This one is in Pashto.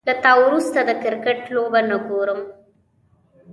له تا وروسته، د کرکټ لوبه نه ګورم